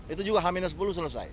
itu juga h sepuluh selesai